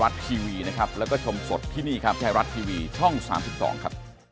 สวัสดีครับ